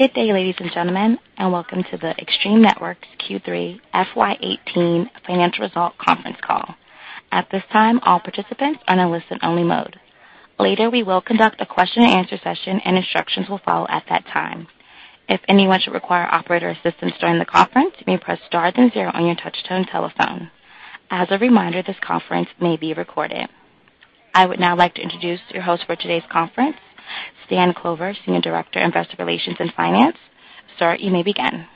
Good day, ladies and gentlemen, and welcome to the Extreme Networks Q3 FY 2018 Financial Result Conference Call. At this time, all participants are in listen only mode. Later, we will conduct a question and answer session, and instructions will follow at that time. If anyone should require operator assistance during the conference, you may press star then zero on your touch-tone telephone. As a reminder, this conference may be recorded. I would now like to introduce your host for today's conference, Stan Kovler, Senior Director, Investor Relations and Finance. Sir, you may begin.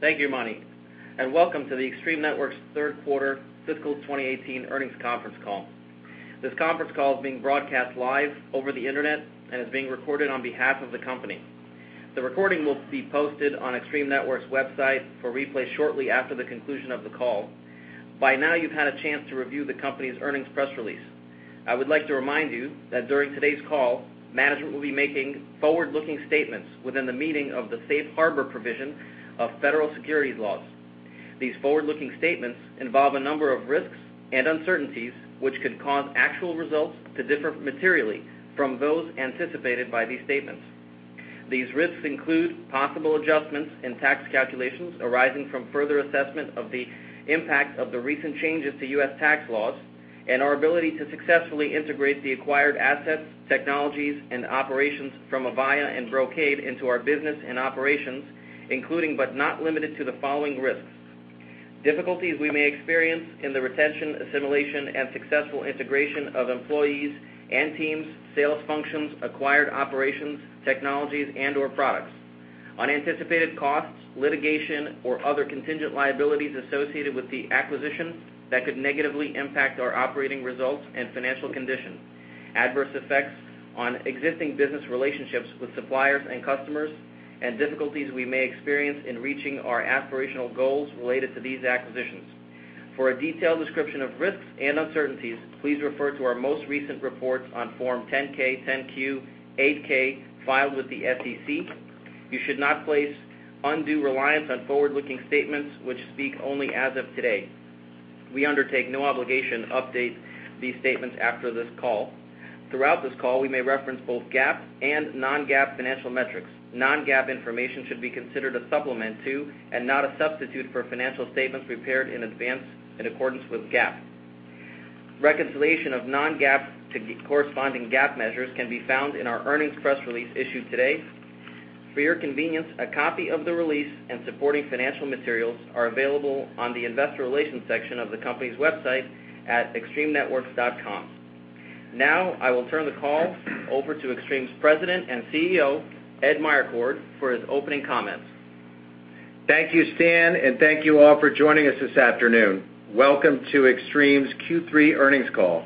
Thank you, Imani, and welcome to the Extreme Networks third quarter fiscal 2018 earnings conference call. This conference call is being broadcast live over the internet and is being recorded on behalf of the company. The recording will be posted on Extreme Networks' website for replay shortly after the conclusion of the call. By now, you've had a chance to review the company's earnings press release. I would like to remind you that during today's call, management will be making forward-looking statements within the meaning of the Safe Harbor provision of federal securities laws. These forward-looking statements involve a number of risks and uncertainties which could cause actual results to differ materially from those anticipated by these statements. These risks include possible adjustments in tax calculations arising from further assessment of the impact of the recent changes to U.S. tax laws and our ability to successfully integrate the acquired assets, technologies, and operations from Avaya and Brocade into our business and operations, including but not limited to the following risks. Difficulties we may experience in the retention, assimilation, and successful integration of employees and teams, sales functions, acquired operations, technologies, and/or products. Unanticipated costs, litigation, or other contingent liabilities associated with the acquisition that could negatively impact our operating results and financial condition. Adverse effects on existing business relationships with suppliers and customers, and difficulties we may experience in reaching our aspirational goals related to these acquisitions. For a detailed description of risks and uncertainties, please refer to our most recent reports on Form 10-K, 10-Q, 8-K filed with the SEC. You should not place undue reliance on forward-looking statements which speak only as of today. We undertake no obligation to update these statements after this call. Throughout this call, we may reference both GAAP and non-GAAP financial metrics. Non-GAAP information should be considered a supplement to and not a substitute for financial statements prepared in advance in accordance with GAAP. Reconciliation of non-GAAP to corresponding GAAP measures can be found in our earnings press release issued today. For your convenience, a copy of the release and supporting financial materials are available on the Investor Relations section of the company's website at extremenetworks.com. Now, I will turn the call over to Extreme's President and CEO, Ed Meyercord, for his opening comments. Thank you, Stan, and thank you all for joining us this afternoon. Welcome to Extreme's Q3 earnings call.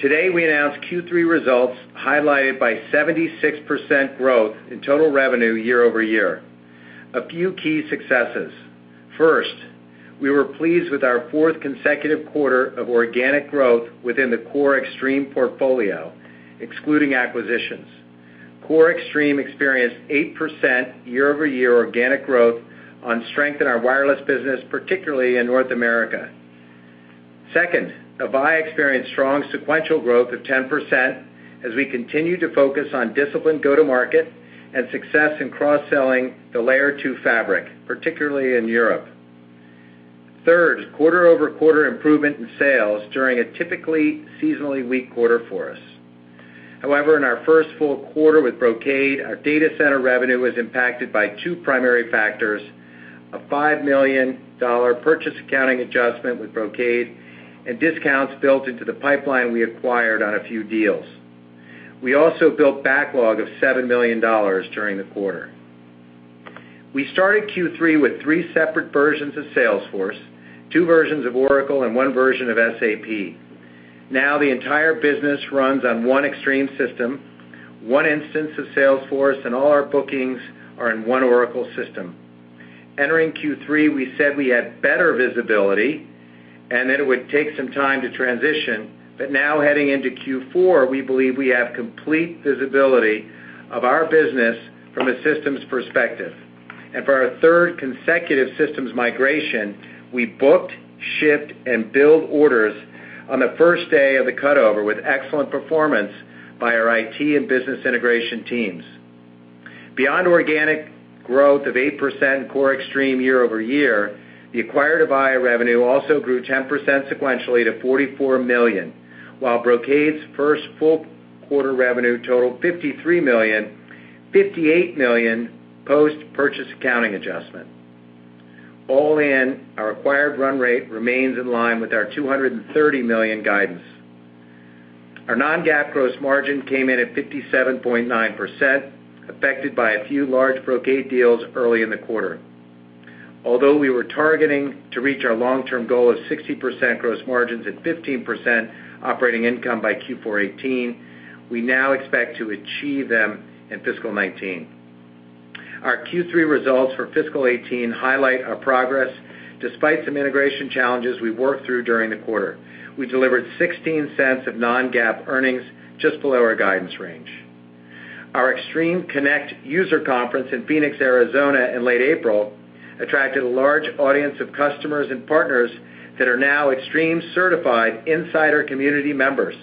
Today, we announced Q3 results highlighted by 76% growth in total revenue year-over-year. A few key successes. First, we were pleased with our fourth consecutive quarter of organic growth within the core Extreme portfolio, excluding acquisitions. Core Extreme experienced 8% year-over-year organic growth on strength in our wireless business, particularly in North America. Second, Avaya experienced strong sequential growth of 10% as we continue to focus on disciplined go-to-market and success in cross-selling the Layer 2 fabric, particularly in Europe. Third, quarter-over-quarter improvement in sales during a typically seasonally weak quarter for us. In our first full quarter with Brocade, our data center revenue was impacted by two primary factors: a $5 million purchase accounting adjustment with Brocade and discounts built into the pipeline we acquired on a few deals. We also built backlog of $7 million during the quarter. We started Q3 with three separate versions of Salesforce, two versions of Oracle, and one version of SAP. Now, the entire business runs on one Extreme system, one instance of Salesforce, and all our bookings are in one Oracle system. Entering Q3, we said we had better visibility and that it would take some time to transition, but now heading into Q4, we believe we have complete visibility of our business from a systems perspective. For our third consecutive systems migration, we booked, shipped, and billed orders on the first day of the cutover with excellent performance by our IT and business integration teams. Beyond organic growth of 8% core Extreme year-over-year, the acquired Avaya revenue also grew 10% sequentially to $44 million, while Brocade's first full quarter revenue totaled $53 million, $58 million post-purchase accounting adjustment. All in, our acquired run rate remains in line with our $230 million guidance. Our non-GAAP gross margin came in at 57.9%, affected by a few large Brocade deals early in the quarter. Although we were targeting to reach our long-term goal of 60% gross margins and 15% operating income by Q4 2018, we now expect to achieve them in fiscal 2019. Our Q3 results for fiscal 2018 highlight our progress despite some integration challenges we worked through during the quarter. We delivered $0.16 of non-GAAP earnings, just below our guidance range. Our Extreme Connect user conference in Phoenix, Arizona in late April attracted a large audience of customers and partners that are now Extreme certified insider community members.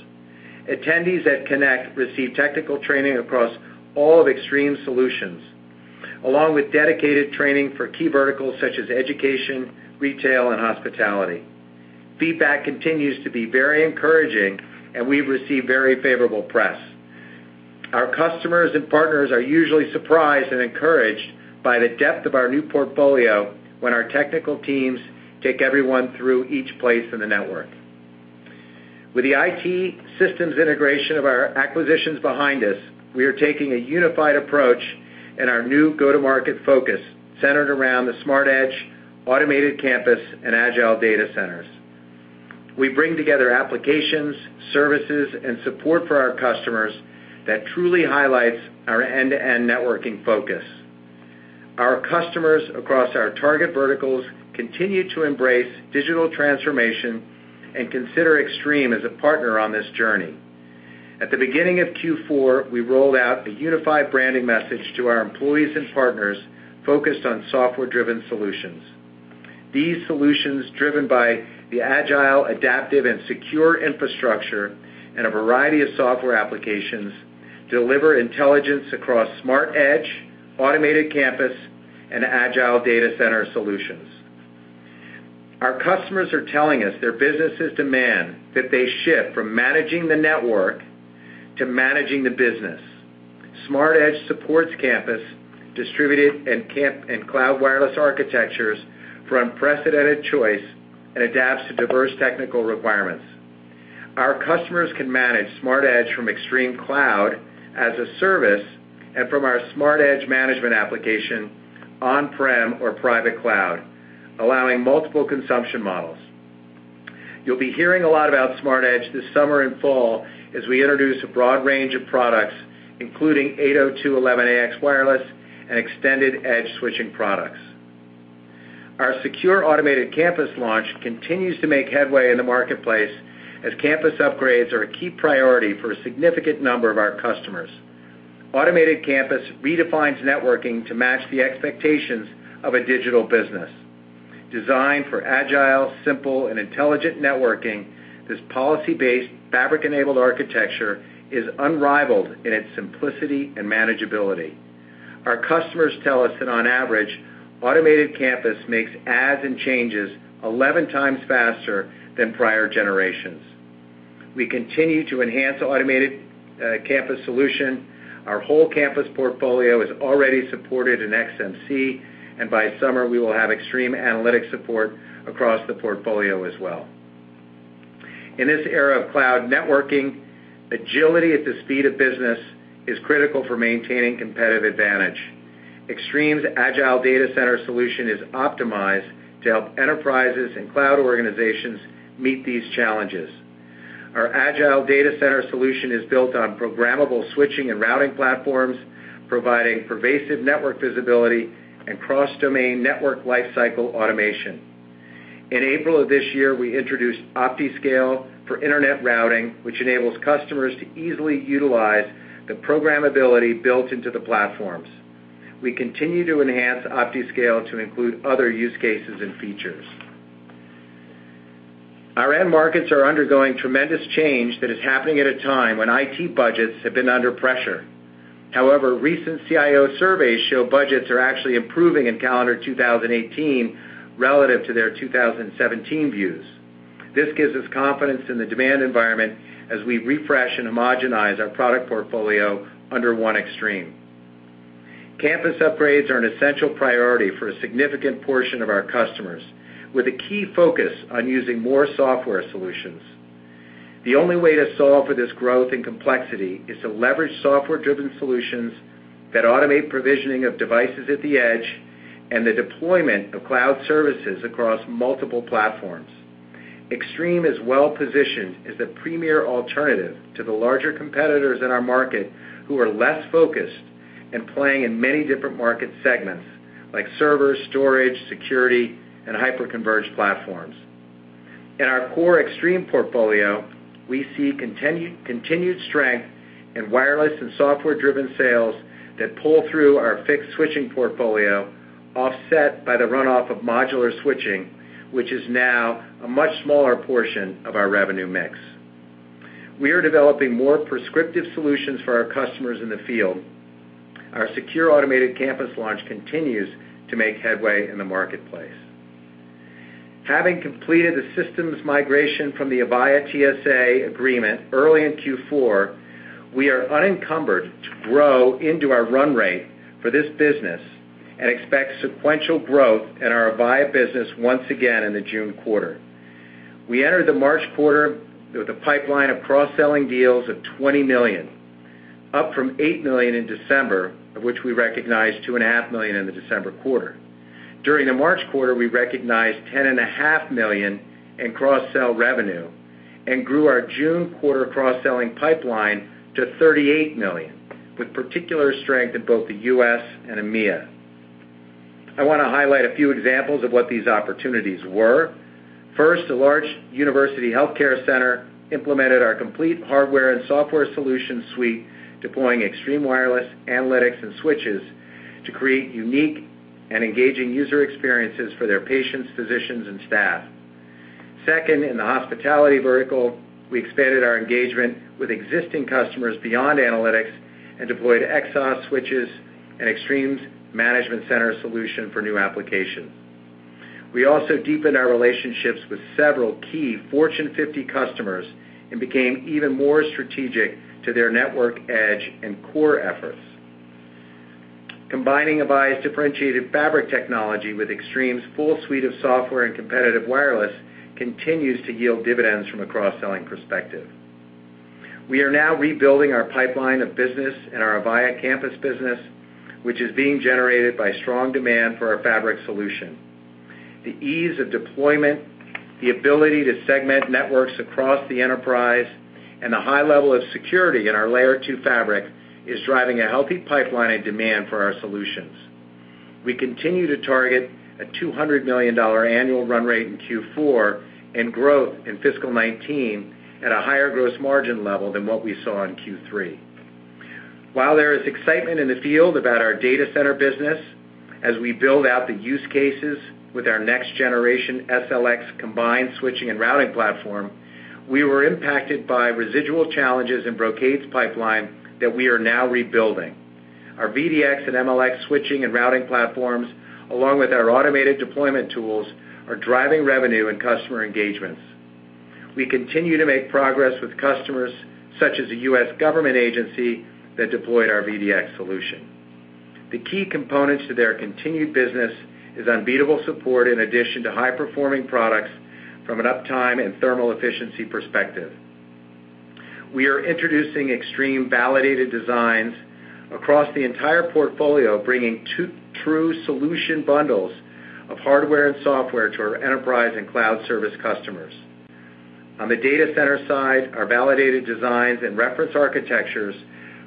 Attendees at Connect receive technical training across all of Extreme's solutions, along with dedicated training for key verticals such as education, retail, and hospitality. Feedback continues to be very encouraging, and we've received very favorable press. Our customers and partners are usually surprised and encouraged by the depth of our new portfolio when our technical teams take everyone through each place in the network. With the IT systems integration of our acquisitions behind us, we are taking a unified approach in our new go-to-market focus centered around the Smart Edge, Automated Campus, and Agile Data Center. We bring together applications, services, and support for our customers that truly highlights our end-to-end networking focus. Our customers across our target verticals continue to embrace digital transformation and consider Extreme as a partner on this journey. At the beginning of Q4, we rolled out a unified branding message to our employees and partners focused on software-driven solutions. These solutions, driven by the agile, adaptive, and secure infrastructure and a variety of software applications, deliver intelligence across Smart Edge, Automated Campus, and Agile Data Center solutions. Our customers are telling us their businesses demand that they shift from managing the network to managing the business. Smart Edge supports campus distributed and cloud wireless architectures for unprecedented choice and adapts to diverse technical requirements. Our customers can manage Smart Edge from ExtremeCloud as a service and from our Smart Edge management application on-prem or private cloud, allowing multiple consumption models. You'll be hearing a lot about Smart Edge this summer and fall as we introduce a broad range of products, including 802.11ax wireless and extended edge switching products. Our secure Automated Campus launch continues to make headway in the marketplace as campus upgrades are a key priority for a significant number of our customers. Automated Campus redefines networking to match the expectations of a digital business. Designed for agile, simple, and intelligent networking, this policy-based, fabric-enabled architecture is unrivaled in its simplicity and manageability. Our customers tell us that on average, Automated Campus makes adds and changes 11 times faster than prior generations. We continue to enhance the Automated Campus solution. Our whole campus portfolio is already supported in XMC, and by summer, we will have ExtremeAnalytics support across the portfolio as well. In this era of cloud networking, agility at the speed of business is critical for maintaining competitive advantage. Extreme's Agile Data Center solution is optimized to help enterprises and cloud organizations meet these challenges. Our Agile Data Center solution is built on programmable switching and routing platforms, providing pervasive network visibility and cross-domain network lifecycle automation. In April of this year, we introduced OptiScale for Internet Routing, which enables customers to easily utilize the programmability built into the platforms. We continue to enhance OptiScale to include other use cases and features. Our end markets are undergoing tremendous change that is happening at a time when IT budgets have been under pressure. However, recent CIO surveys show budgets are actually improving in calendar 2018 relative to their 2017 views. This gives us confidence in the demand environment as we refresh and homogenize our product portfolio under one Extreme. Campus upgrades are an essential priority for a significant portion of our customers, with a key focus on using more software solutions. The only way to solve for this growth and complexity is to leverage software-driven solutions that automate provisioning of devices at the edge and the deployment of cloud services across multiple platforms. Extreme is well-positioned as the premier alternative to the larger competitors in our market who are less focused and playing in many different market segments, like server, storage, security, and hyper-converged platforms. In our core Extreme portfolio, we see continued strength in wireless and software-driven sales that pull through our fixed switching portfolio, offset by the runoff of modular switching, which is now a much smaller portion of our revenue mix. We are developing more prescriptive solutions for our customers in the field. Our secure Automated Campus launch continues to make headway in the marketplace. Having completed the systems migration from the Avaya TSA agreement early in Q4, we are unencumbered to grow into our run rate for this business and expect sequential growth in our Avaya business once again in the June quarter. We entered the March quarter with a pipeline of cross-selling deals of $20 million, up from $8 million in December, of which we recognized $two and a half million in the December quarter. During the March quarter, we recognized $10 and a half million in cross-sell revenue and grew our June quarter cross-selling pipeline to $38 million, with particular strength in both the U.S. and EMEA. I want to highlight a few examples of what these opportunities were. First, a large university healthcare center implemented our complete hardware and software solution suite, deploying Extreme wireless analytics and switches to create unique and engaging user experiences for their patients, physicians, and staff. Second, in the hospitality vertical, we expanded our engagement with existing customers beyond analytics and deployed XOS switches and Extreme Management Center solution for new applications. We also deepened our relationships with several key Fortune 50 customers and became even more strategic to their network edge and core efforts. Combining Avaya's differentiated fabric technology with Extreme's full suite of software and competitive wireless continues to yield dividends from a cross-selling perspective. We are now rebuilding our pipeline of business in our Avaya Campus business, which is being generated by strong demand for our fabric solution. The ease of deployment, the ability to segment networks across the enterprise, and the high level of security in our Layer 2 fabric is driving a healthy pipeline and demand for our solutions. We continue to target a $200 million annual run rate in Q4 and growth in fiscal 2019 at a higher gross margin level than what we saw in Q3. While there is excitement in the field about our data center business, as we build out the use cases with our next-generation SLX combined switching and routing platform, we were impacted by residual challenges in Brocade's pipeline that we are now rebuilding. Our VDX and MLX switching and routing platforms, along with our automated deployment tools, are driving revenue and customer engagements. We continue to make progress with customers such as a U.S. government agency that deployed our VDX solution. The key components to their continued business is unbeatable support in addition to high-performing products from an uptime and thermal efficiency perspective. We are introducing Extreme-validated designs across the entire portfolio, bringing true solution bundles of hardware and software to our enterprise and cloud service customers. On the data center side, our validated designs and reference architectures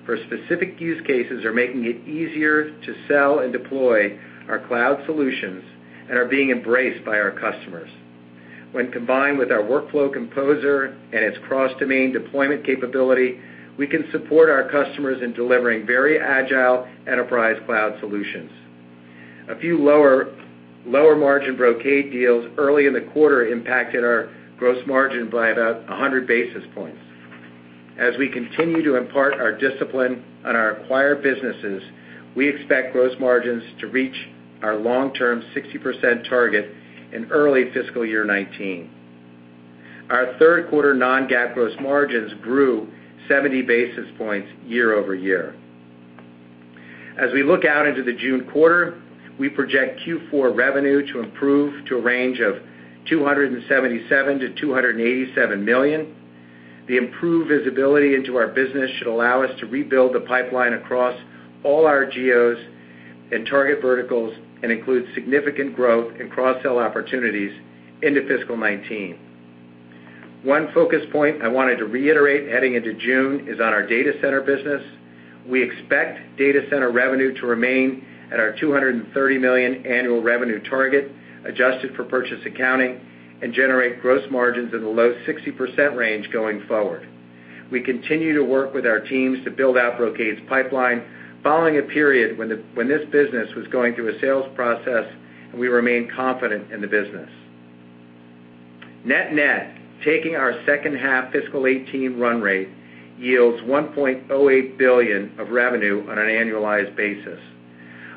for specific use cases are making it easier to sell and deploy our cloud solutions and are being embraced by our customers. When combined with our Extreme Workflow Composer and its cross-domain deployment capability, we can support our customers in delivering very agile enterprise cloud solutions. A few lower-margin Brocade deals early in the quarter impacted our gross margin by about 100 basis points. As we continue to impart our discipline on our acquired businesses, we expect gross margins to reach our long-term 60% target in early fiscal year 2019. Our third quarter non-GAAP gross margins grew 70 basis points year-over-year. As we look out into the June quarter, we project Q4 revenue to improve to a range of $277 million-$287 million. The improved visibility into our business should allow us to rebuild the pipeline across all our geos and target verticals and include significant growth in cross-sell opportunities into fiscal 2019. One focus point I wanted to reiterate heading into June is on our data center business. We expect data center revenue to remain at our $230 million annual revenue target, adjusted for purchase accounting, and generate gross margins in the low 60% range going forward. We continue to work with our teams to build out Brocade's pipeline following a period when this business was going through a sales process, and we remain confident in the business. Net net, taking our second half fiscal 2018 run rate yields $1.08 billion of revenue on an annualized basis.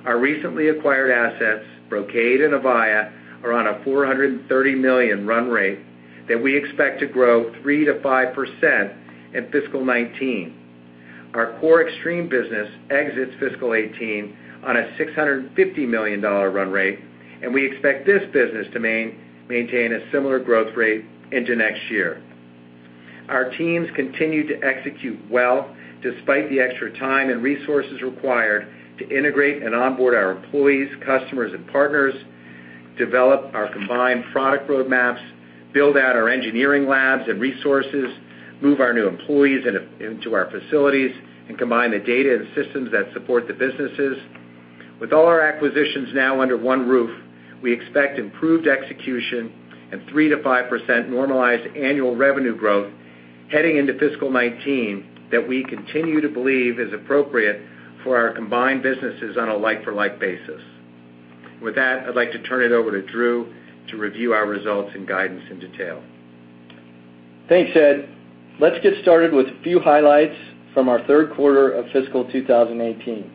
Our recently acquired assets, Brocade and Avaya, are on a $430 million run rate that we expect to grow 3%-5% in fiscal 2019. Our core Extreme business exits fiscal 2018 on a $650 million run rate, and we expect this business to maintain a similar growth rate into next year. Our teams continue to execute well despite the extra time and resources required to integrate and onboard our employees, customers, and partners, develop our combined product roadmaps, build out our engineering labs and resources, move our new employees into our facilities, and combine the data and systems that support the businesses. With all our acquisitions now under one roof, we expect improved execution and 3%-5% normalized annual revenue growth heading into fiscal 2019 that we continue to believe is appropriate for our combined businesses on a like-for-like basis. With that, I'd like to turn it over to Drew to review our results and guidance in detail. Thanks, Ed. Let's get started with a few highlights from our third quarter of fiscal 2018.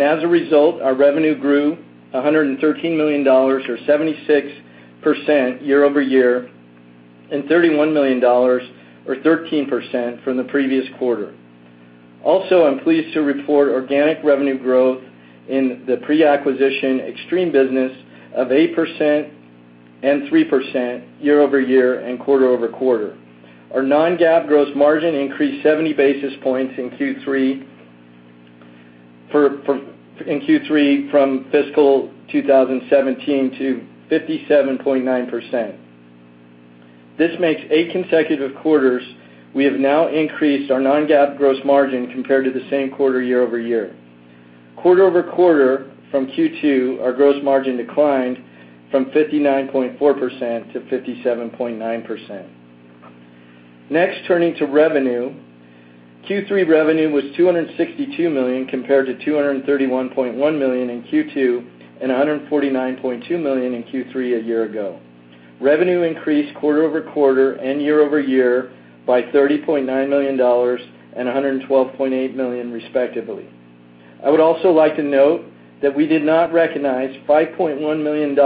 As a result, our revenue grew $113 million or 76% year-over-year and $31 million or 13% from the previous quarter. Also, I'm pleased to report organic revenue growth in the pre-acquisition Extreme business of 8% and 3% year-over-year and quarter-over-quarter. Our non-GAAP gross margin increased 70 basis points in Q3 from fiscal 2017 to 57.9%. This makes eight consecutive quarters we have now increased our non-GAAP gross margin compared to the same quarter year-over-year. Quarter-over-quarter from Q2, our gross margin declined from 59.4% to 57.9%. Next, turning to revenue. Q3 revenue was $262 million compared to $231.1 million in Q2 and $149.2 million in Q3 a year ago. Revenue increased quarter-over-quarter and year-over-year by $30.9 million and $112.8 million respectively. I would also like to note that we did not recognize $5.1 million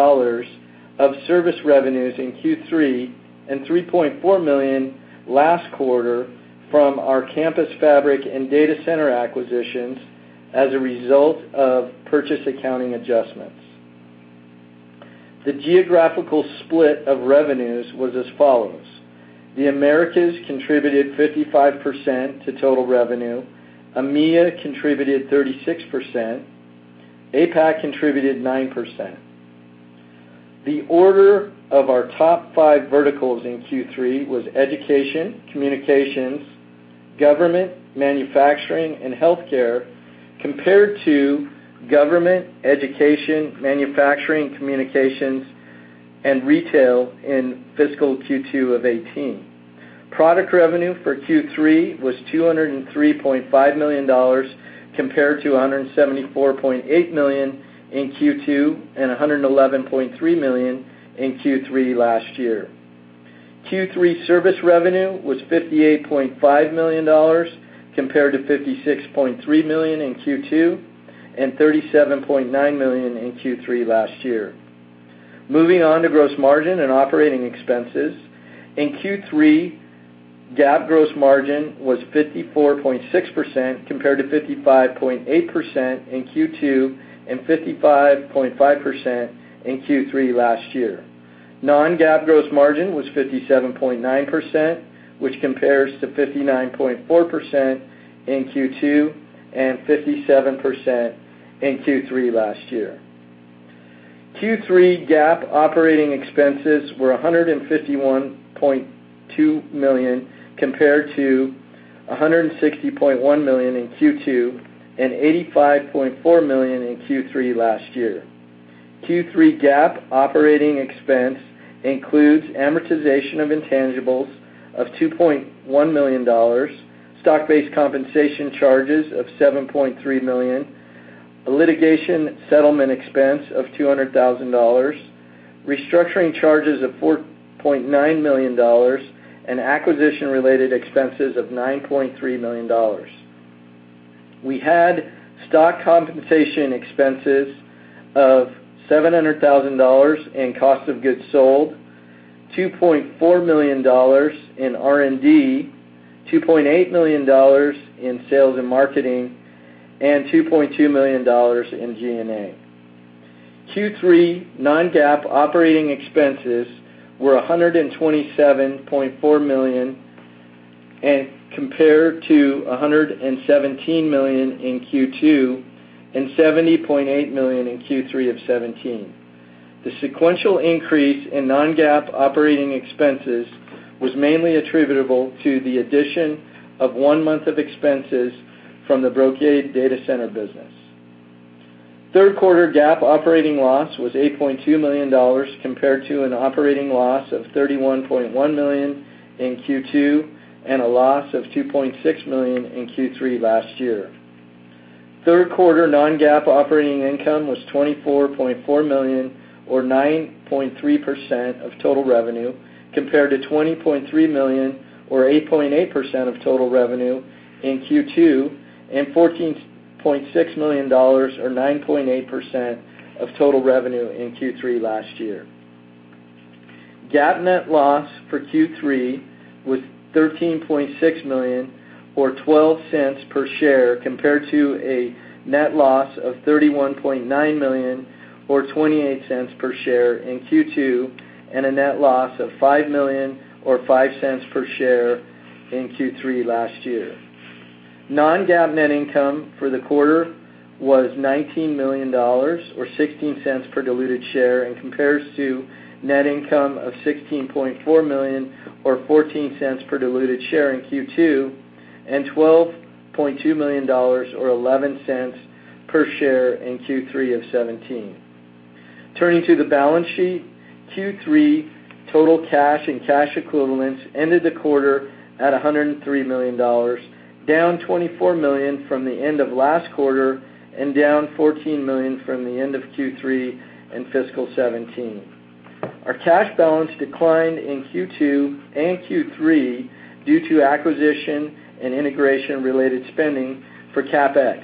of service revenues in Q3 and $3.4 million last quarter from our campus fabric and data center acquisitions as a result of purchase accounting adjustments. The geographical split of revenues was as follows. The Americas contributed 55% to total revenue, EMEA contributed 36%, APAC contributed 9%. The order of our top five verticals in Q3 was education, communications, government, manufacturing, and healthcare, compared to government, education, manufacturing, communications, and retail in fiscal Q2 of 2018. Product revenue for Q3 was $203.5 million, compared to $174.8 million in Q2 and $111.3 million in Q3 last year. Q3 service revenue was $58.5 million, compared to $56.3 million in Q2 and $37.9 million in Q3 last year. Moving on to gross margin and operating expenses. In Q3, GAAP gross margin was 54.6%, compared to 55.8% in Q2 and 55.5% in Q3 last year. Non-GAAP gross margin was 57.9%, which compares to 59.4% in Q2 and 57% in Q3 last year. Q3 GAAP operating expenses were $151.2 million, compared to $160.1 million in Q2 and $85.4 million in Q3 last year. Q3 GAAP operating expense includes amortization of intangibles of $2.1 million, stock-based compensation charges of $7.3 million, a litigation settlement expense of $200,000, restructuring charges of $4.9 million, and acquisition-related expenses of $9.3 million. We had stock compensation expenses of $700,000 in cost of goods sold, $2.4 million in R&D, $2.8 million in sales and marketing, and $2.2 million in G&A. Q3 non-GAAP operating expenses were $127.4 million and compared to $117 million in Q2 and $70.8 million in Q3 of 2017. The sequential increase in non-GAAP operating expenses was mainly attributable to the addition of one month of expenses from the Brocade Data Center business. Third quarter GAAP operating loss was $8.2 million compared to an operating loss of $31.1 million in Q2 and a loss of $2.6 million in Q3 last year. Third quarter non-GAAP operating income was $24.4 million, or 9.3% of total revenue, compared to $20.3 million, or 8.8% of total revenue in Q2, and $14.6 million, or 9.8% of total revenue in Q3 last year. GAAP net loss for Q3 was $13.6 million, or $0.12 per share, compared to a net loss of $31.9 million, or $0.28 per share in Q2, and a net loss of $5 million or $0.05 per share in Q3 last year. Non-GAAP net income for the quarter was $19 million or $0.16 per diluted share and compares to net income of $16.4 million or $0.14 per diluted share in Q2, and $12.2 million or $0.11 per share in Q3 of 2017. Turning to the balance sheet, Q3 total cash and cash equivalents ended the quarter at $103 million, down $24 million from the end of last quarter and down $14 million from the end of Q3 in fiscal 2017. Our cash balance declined in Q2 and Q3 due to acquisition and integration-related spending for CapEx,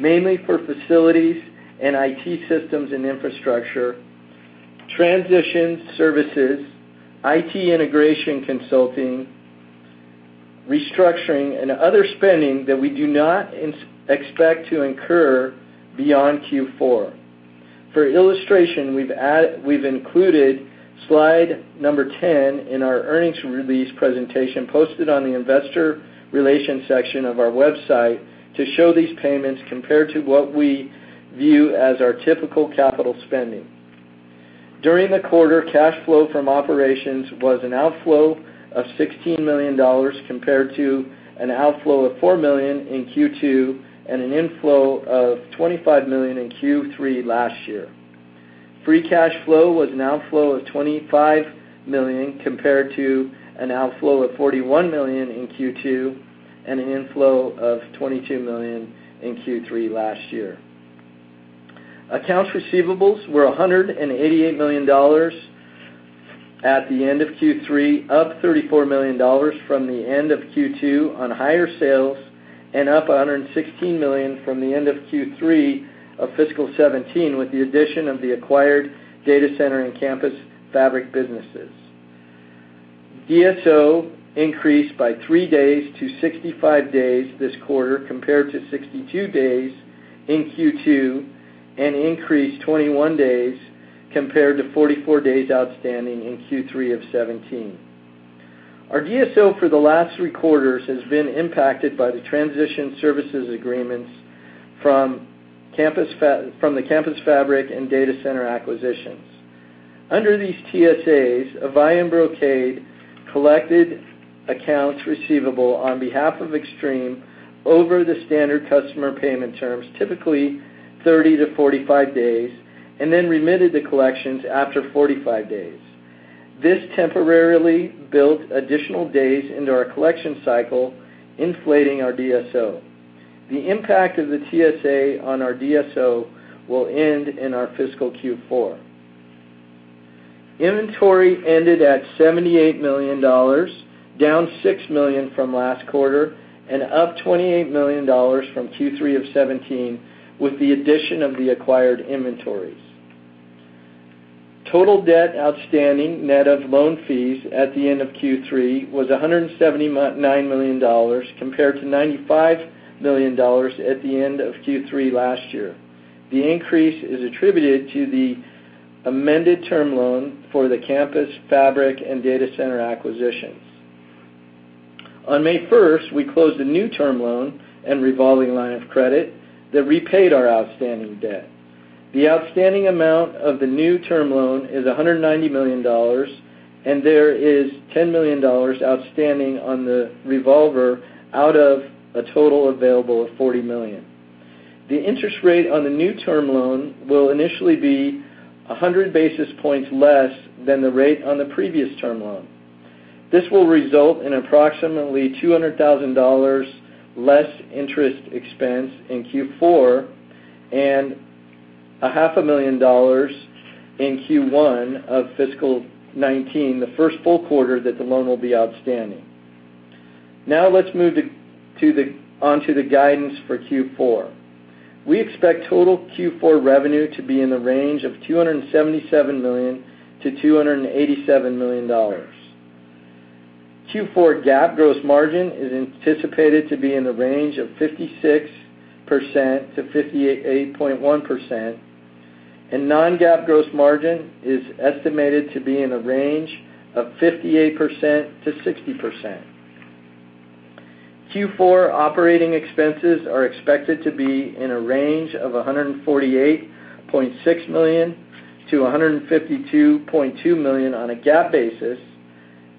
mainly for facilities and IT systems and infrastructure, transition services, IT integration consulting, restructuring, and other spending that we do not expect to incur beyond Q4. For illustration, we've included slide number 10 in our earnings release presentation posted on the investor relations section of our website to show these payments compared to what we view as our typical capital spending. During the quarter, cash flow from operations was an outflow of $16 million compared to an outflow of $4 million in Q2, and an inflow of $25 million in Q3 last year. Free cash flow was an outflow of $25 million compared to an outflow of $41 million in Q2 and an inflow of $22 million in Q3 last year. Accounts receivables were $188 million at the end of Q3, up $34 million from the end of Q2 on higher sales, and up $116 million from the end of Q3 of fiscal 2017, with the addition of the acquired data center and campus fabric businesses. DSO increased by three days to 65 days this quarter, compared to 62 days in Q2, and increased 21 days compared to 44 days outstanding in Q3 of 2017. Our DSO for the last three quarters has been impacted by the Transition Services Agreements from the campus fabric and data center acquisitions. Under these TSAs, Avaya and Brocade collected accounts receivable on behalf of Extreme over the standard customer payment terms, typically 30 to 45 days, and then remitted the collections after 45 days. This temporarily built additional days into our collection cycle, inflating our DSO. The impact of the TSA on our DSO will end in our fiscal Q4. Inventory ended at $78 million, down $6 million from last quarter, and up $28 million from Q3 of 2017, with the addition of the acquired inventories. Total debt outstanding, net of loan fees at the end of Q3 was $179 million compared to $95 million at the end of Q3 last year. The increase is attributed to the amended term loan for the campus fabric and data center acquisitions. On May 1st, we closed a new term loan and revolving line of credit that repaid our outstanding debt. The outstanding amount of the new term loan is $190 million, and there is $10 million outstanding on the revolver out of a total available of $40 million. The interest rate on the new term loan will initially be 100 basis points less than the rate on the previous term loan. This will result in approximately $200,000 less interest expense in Q4, and a half a million dollars in Q1 of fiscal 2019, the first full quarter that the loan will be outstanding. Let's move onto the guidance for Q4. We expect total Q4 revenue to be in the range of $277 million-$287 million. Q4 GAAP gross margin is anticipated to be in the range of 56%-58.1%, and non-GAAP gross margin is estimated to be in the range of 58%-60%. Q4 operating expenses are expected to be in a range of $148.6 million-$152.2 million on a GAAP basis,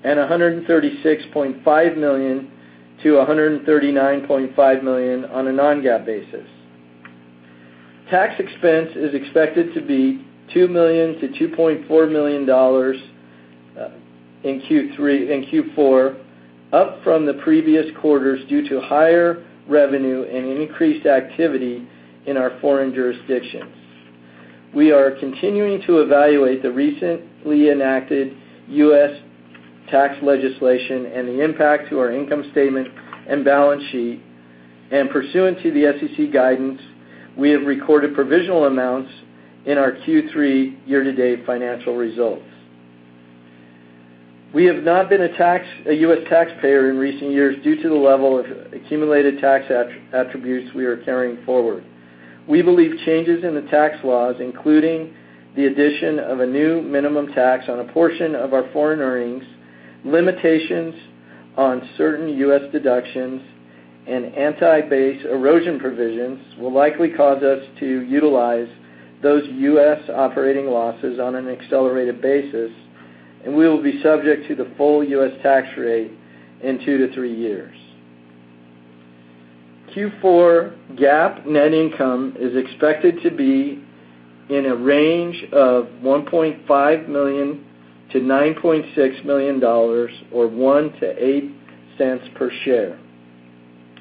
and $136.5 million-$139.5 million on a non-GAAP basis. Tax expense is expected to be $2 million to $2.4 million in Q4, up from the previous quarters due to higher revenue and increased activity in our foreign jurisdictions. We are continuing to evaluate the recently enacted U.S. tax legislation and the impact to our income statement and balance sheet, pursuant to the SEC guidance, we have recorded provisional amounts in our Q3 year-to-date financial results. We have not been a U.S. taxpayer in recent years due to the level of accumulated tax attributes we are carrying forward. We believe changes in the tax laws, including the addition of a new minimum tax on a portion of our foreign earnings, limitations on certain U.S. deductions, and anti-base erosion provisions, will likely cause us to utilize those U.S. operating losses on an accelerated basis, and we will be subject to the full U.S. tax rate in two to three years. Q4 GAAP net income is expected to be in a range of $1.5 million to $9.6 million, or $0.01 to $0.08 per share.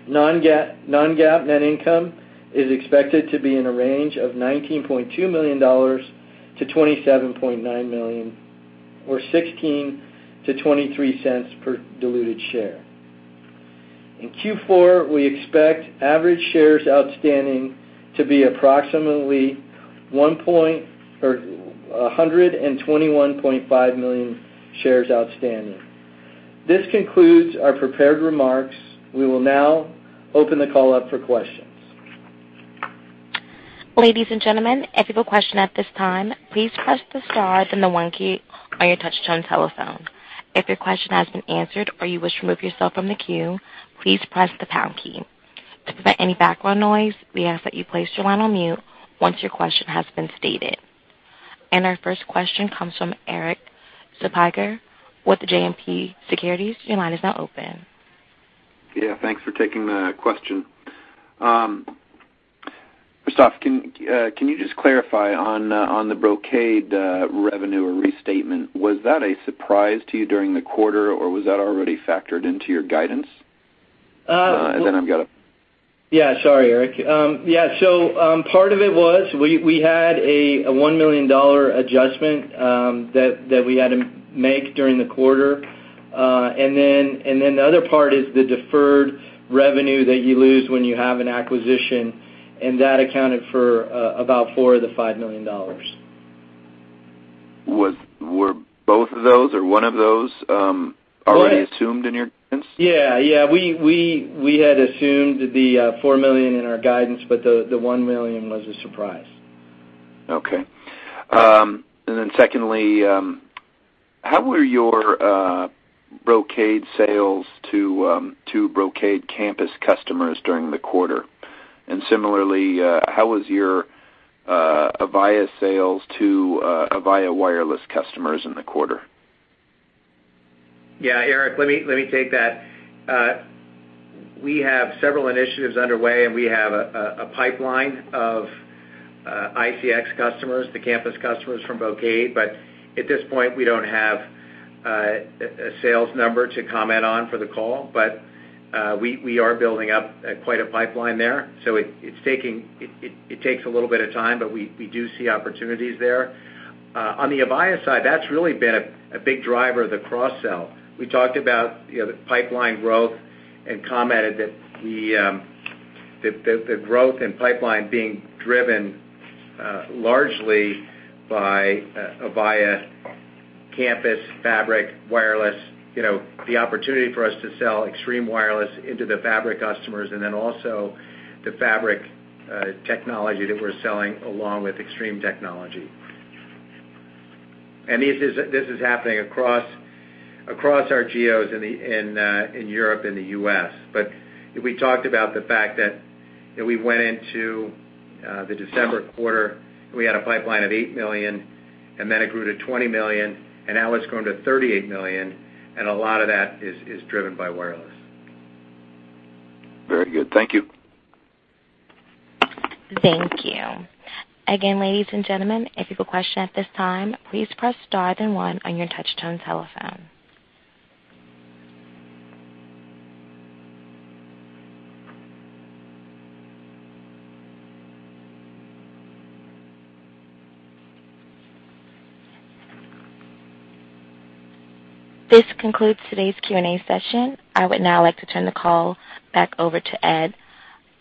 Non-GAAP net income is expected to be in a range of $19.2 million to $27.9 million, or $0.16 to $0.23 per diluted share. In Q4, we expect average shares outstanding to be approximately 121.5 million shares outstanding. This concludes our prepared remarks. We will now open the call up for questions. Ladies and gentlemen, if you have a question at this time, please press the star then the one key on your touchtone telephone. If your question has been answered or you wish to remove yourself from the queue, please press the pound key. To prevent any background noise, we ask that you place your line on mute once your question has been stated. Our first question comes from Eric Martinuzzi with JMP Securities, your line is now open. Thanks for taking the question. [Christophe], can you just clarify on the Brocade revenue or restatement, was that a surprise to you during the quarter, or was that already factored into your guidance? I've got a- Sorry, Eric. Part of it was, we had a $1 million adjustment that we had to make during the quarter. The other part is the deferred revenue that you lose when you have an acquisition, and that accounted for about 4 of the $5 million. Were both of those or one of those- Both already assumed in your guidance? We had assumed the 4 million in our guidance. The 1 million was a surprise. Okay. Secondly, how were your Brocade sales to Brocade campus customers during the quarter? Similarly, how was your Avaya sales to Avaya wireless customers in the quarter? Yeah, Eric, let me take that. We have several initiatives underway, we have a pipeline of ICX customers, the campus customers from Brocade. At this point, we don't have a sales number to comment on for the call. We are building up quite a pipeline there. It takes a little bit of time, but we do see opportunities there. On the Avaya side, that's really been a big driver of the cross-sell. We talked about the pipeline growth and commented that the growth in pipeline being driven largely by Avaya campus fabric wireless, the opportunity for us to sell Extreme Wireless into the fabric customers, and then also the fabric technology that we're selling along with Extreme technology. This is happening across our geos in Europe and the U.S. We talked about the fact that we went into the December quarter, we had a pipeline of $8 million, it grew to $20 million, now it's grown to $38 million, a lot of that is driven by wireless. Very good. Thank you. Thank you. Again, ladies and gentlemen, if you have a question at this time, please press star then one on your touchtone telephone. This concludes today's Q&A session. I would now like to turn the call back over to Ed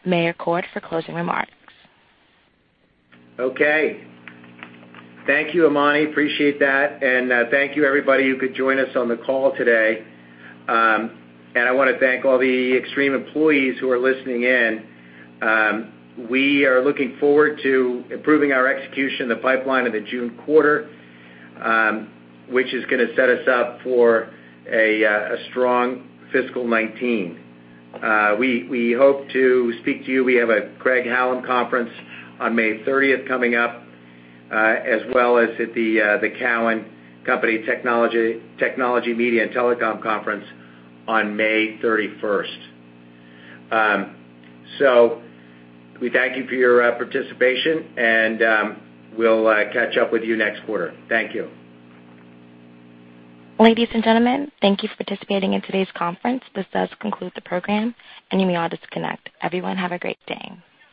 Meyercord for closing remarks. Okay. Thank you, Imani. Appreciate that. Thank you everybody who could join us on the call today. I want to thank all the Extreme employees who are listening in. We are looking forward to improving our execution in the pipeline in the June quarter, which is going to set us up for a strong fiscal 2019. We hope to speak to you. We have a Craig-Hallum conference on May 30th coming up, as well as at the Cowen and Company Technology, Media and Telecom Conference on May 31st. We thank you for your participation and we'll catch up with you next quarter. Thank you. Ladies and gentlemen, thank you for participating in today's conference. This does conclude the program, and you may all disconnect. Everyone, have a great day.